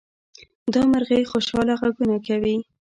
دا مرغۍ خوشحاله غږونه کوي.